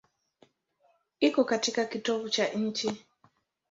Iko katika kitovu cha nchi.